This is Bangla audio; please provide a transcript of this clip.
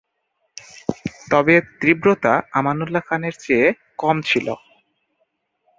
তবে এর তীব্রতা আমানউল্লাহ খানের চেয়ে কম ছিল।